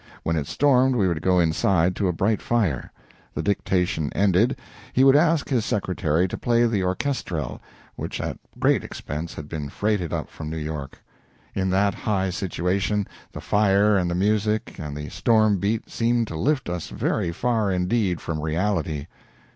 When it stormed we would go inside to a bright fire. The dictation ended, he would ask his secretary to play the orchestrelle, which at great expense had been freighted up from New York. In that high situation, the fire and the music and the stormbeat seemed to lift us very far indeed from reality.